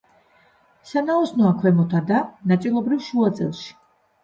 სანაოსნოა ქვემოთა და ნაწილობრივ შუა წელში.